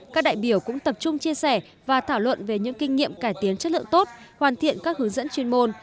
các đại biểu cũng tập trung chia sẻ và thảo luận về những kinh nghiệm cải tiến chất lượng tốt hoàn thiện các hướng dẫn chuyên môn